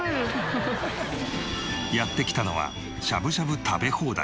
やって来たのはしゃぶしゃぶ食べ放題。